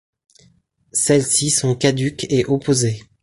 Celles-ci sont caduques et opposées.